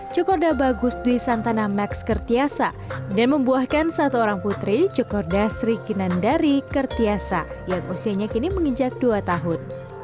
cokorda bagus dwi santana max kertiasa dan membuahkan satu orang putri cokorda sri kinandari kertiasa yang usianya kini menginjak dua tahun